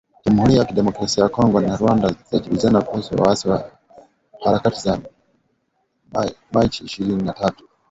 Jamhuri ya Kidemokrasia ya Kongo na Rwanda zajibizana kuhusu waasi wa Harakati za Machi ishirini na tatu